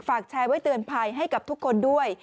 แชร์ไว้เตือนภัยให้กับทุกคนด้วย